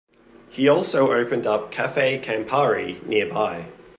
He also opened up Cafe Campari nearby.